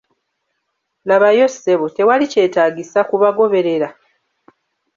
Labayo, ssebo, tewali kyetaagiisa kubagoberera?